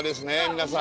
皆さん。